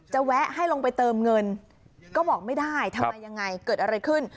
แวะให้ลงไปเติมเงินก็บอกไม่ได้ทำอะไรยังไงเกิดอะไรขึ้น